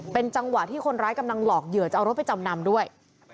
เป็นจังหวะที่คนร้ายกำลังหลอกเหยื่อจะเอารถไปจำนำด้วย